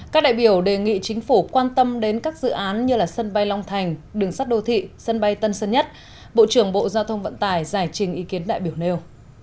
các đại biểu đề nghị chính phủ quan tâm đến các dự án như sân bay long thành đường sắt đô thị sân bay tân sơn nhất bộ trưởng bộ giao thông vận tải giải trình ý kiến đại biểu nêu